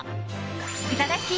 いただき！